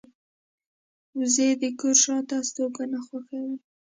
وزې د کور شاته استوګنه خوښوي